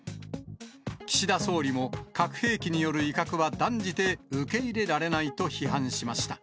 岸田総理も、核兵器による威嚇は断じて受け入れられないと批判しました。